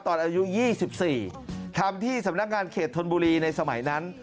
อายุ๒๔ทำที่สำนักงานเขตธนบุรีในสมัยนั้น